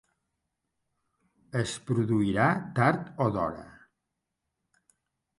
Es produirà tard o d’hora.